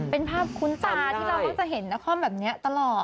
เป็นภาพคุ้นตาที่เรามักจะเห็นนครแบบนี้ตลอด